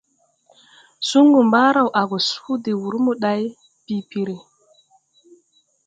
Sungu mbaaraw a go suu de wūr moday bii piiri.